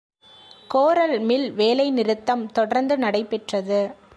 கோரல் mill வேலை நிறுத்தம் தொடர்ந்து நடைபெற்றது.